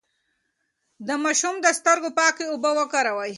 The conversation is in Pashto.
د ماشوم د سترګو پاکې اوبه وکاروئ.